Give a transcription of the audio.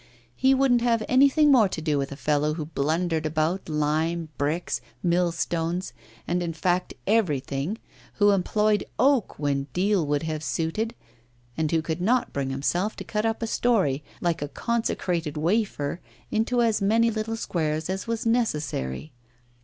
He wouldn't have anything more to do with a fellow who blundered about lime, bricks, millstones, and in fact everything, who employed oak when deal would have suited, and who could not bring himself to cut up a storey like a consecrated wafer into as many little squares as was necessary.